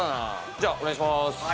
じゃあお願いします。